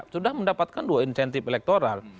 sudah mendapatkan dua insentif elektoral